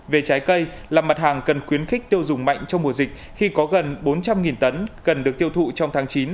về trái cây là mặt hàng cần khuyến khích tiêu dùng mạnh trong mùa dịch khi có gần bốn trăm linh tấn cần được tiêu thụ trong tháng chín